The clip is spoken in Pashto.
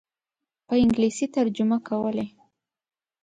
په انګلیسي ترجمه کولې.